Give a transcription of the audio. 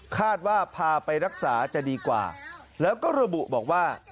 พาไปรักษาจะดีกว่าแล้วก็ระบุบอกว่า